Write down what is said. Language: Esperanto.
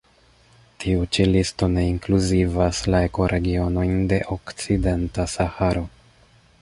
Tiu ĉi listo ne inkluzivas la ekoregionojn de Okcidenta Saharo.